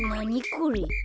これ。